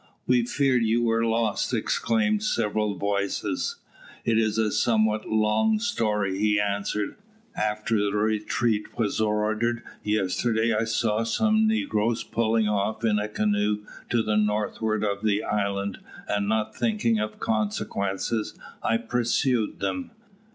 We feared you were lost," exclaimed several voices. "It is a somewhat long story," he answered. "After the retreat was ordered yesterday I saw some negroes pulling off in a canoe to the northward of the island, and not thinking of consequences, I pursued them.